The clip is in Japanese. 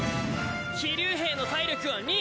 騎竜兵の体力は２。